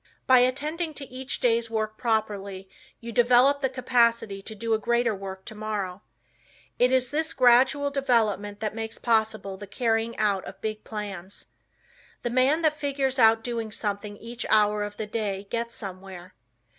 By attending to each day's work properly you develop the capacity to do a greater work tomorrow. It is this gradual development that makes possible the carrying out of big plans. The man that figures out doing something each hour of the day gets somewhere.